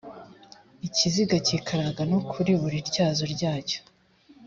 ikiziga cyikaraga no kuri buri tyazo ryacyo